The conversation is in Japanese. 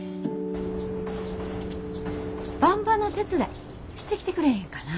ばんばの手伝いしてきてくれへんかな？